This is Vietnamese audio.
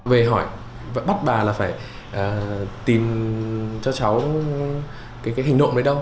về hỏi bắt bà là phải tìm cho cháu cái hình nộm đấy đâu